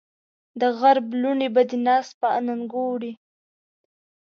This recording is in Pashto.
د غرب لوڼې به دې ناز په اننګو وړي